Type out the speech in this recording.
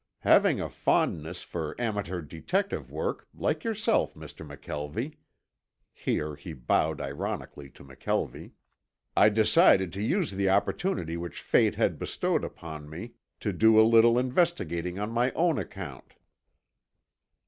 Having a fondness for amateur detective work, like yourself, Mr. McKelvie," here he bowed ironically to McKelvie, "I decided to use the opportunity which fate had bestowed upon me to do a little investigating on my own account."